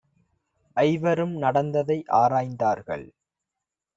ஐவரும் நடந்ததை ஆராய்ந் தார்கள்.